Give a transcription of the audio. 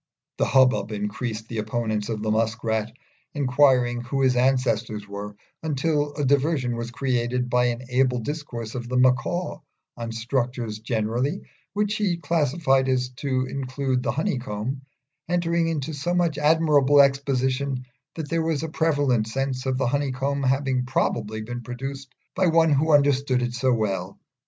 The hubbub increased, the opponents of the Musk rat inquiring who his ancestors were; until a diversion was created by an able discourse of the Macaw on structures generally, which he classified so as to include the honeycomb, entering into so much admirable exposition that there was a prevalent sense of the honeycomb having probably been produced by one who understood it so well.